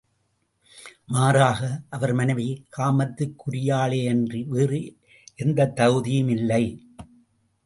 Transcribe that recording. மாறாக அவர் மனைவி காமத்திற்குரியளேயன்றி வேறு எந்தத் தகுதியும் இல்லை.